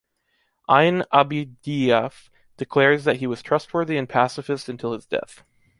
Ibn Abi Dhiaf declares that he was trustworthy and pacifist until his death.